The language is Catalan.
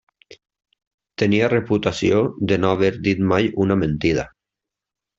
Tenia reputació de no haver dit mai una mentida.